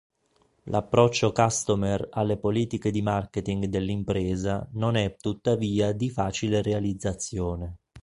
L'approccio "customer" alle politiche di marketing dell'impresa non è tuttavia di facile realizzazione.